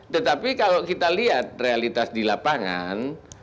tetapi kalau kita lihat realitas di lapangan